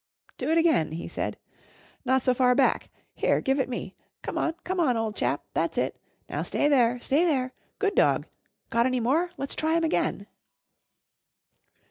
"Do it again," he said. "Not so far back. Here! Give it me. Come on, come on, old chap! That's it! Now stay there! Stay there! Good dog! Got any more? Let's try him again."